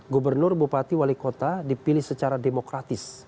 gubernur bupati wali kota dipilih secara demokratis